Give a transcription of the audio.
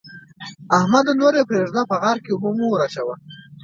احمده! نور يې پرېږده؛ په غار کې اوبه مه وراچوه.